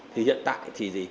thì hiện tại thì gì